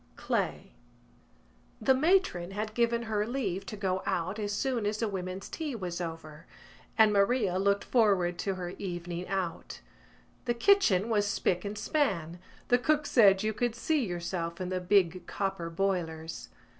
CLAY The matron had given her leave to go out as soon as the women's tea was over and Maria looked forward to her evening out. The kitchen was spick and span: the cook said you could see yourself in the big copper boilers.